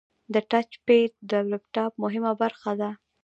د ټچ پیډ د لپټاپ مهمه برخه ده.